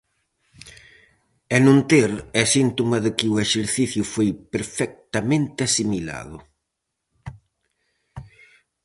E non ter é síntoma de que o exercicio foi perfectamente asimilado.